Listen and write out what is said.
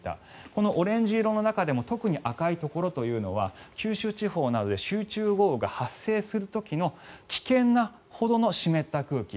このオレンジ色の中でも特に赤いところというのは九州地方などで集中豪雨が発生する時の危険なほどの湿った空気。